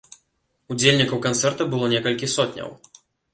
Удзельнікаў канцэрта было некалькі сотняў.